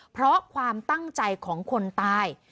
เพราะความตั้งใจของคนตาย